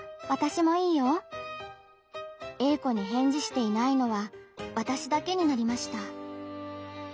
Ａ子に返事していないのはわたしだけになりました。